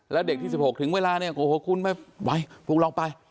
แล้วเด็กที่สิบหกถึงเวลาเนี้ยโกหกคุณไม่ไหวพวกเราไป